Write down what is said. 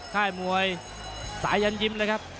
ค่ายมวยสายันยิ้มเลยครับ